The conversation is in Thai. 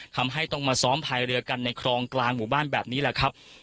ทำให้ต้องมาซ้อมพายเรือกันในคลองกลางหมู่บ้านแบบนี้แหละครับ